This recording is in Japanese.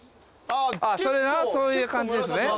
それなそういう感じですね。